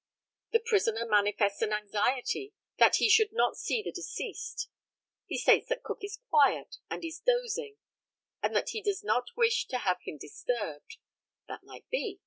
The prisoner manifests an anxiety that he should not see the deceased; he states that Cook is quiet, and is dosing, and that he does not wish to have him disturbed. That might be.